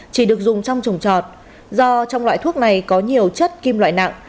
chỉ được dùng trong trồng trọt do trong loại thuốc này có nhiều chất kim loại nặng